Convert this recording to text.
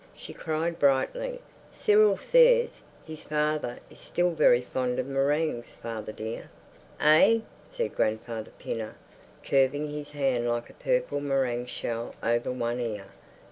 She cried brightly, "Cyril says his father is still very fond of meringues, father dear." "Eh?" said Grandfather Pinner, curving his hand like a purple meringue shell over one ear.